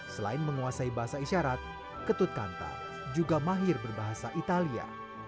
selain menguasai bahasa isyarat ketut kanta juga mahir berbahasa italia